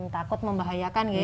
takut membahayakan ya